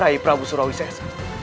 raih prabu surawi s s